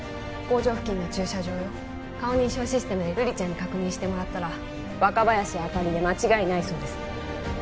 工場付近の駐車場よ顔認証システムで瑠璃ちゃんに確認してもらったら若林朱里で間違いないそうです